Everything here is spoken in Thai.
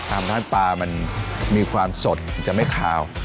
อำนาจปลามันมีความสดจะไม่คาว